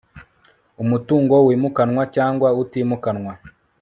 umutungo wimukanwa cyanwa utimukanwa